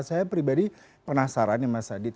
saya pribadi penasaran ya mas adit